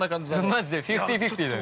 ◆マジでフィフティ・フィフティだよね。